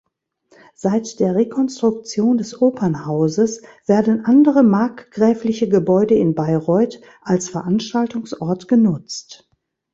Seit der Rekonstruktion des Opernhauses werden andere markgräfliche Gebäude in Bayreuth als Veranstaltungsort genutzt.